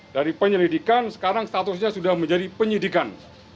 dari penyelidikan sekarang statusnya sudah menjadi penyidikan